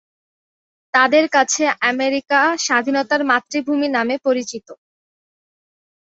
তাদের কাছে, আমেরিকা "স্বাধীনতার মাতৃভূমি" নামে পরিচিত।